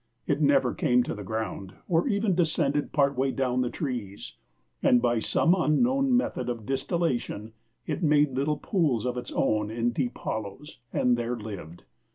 It never came to the ground, or even descended part way down the trees; and by some unknown method of distillation it made little pools of its own in deep hollows, and there lived.